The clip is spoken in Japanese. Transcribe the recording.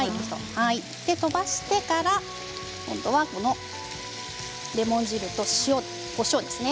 飛ばしてからレモン汁と塩、こしょうですね。